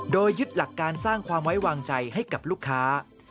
โดยยึดหลักการสร้างความไว้วางใจให้กับลูกค้า